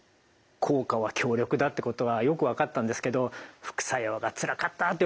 効果は強力だってことはよく分かったんですけど副作用がつらかったっていうお話ありました。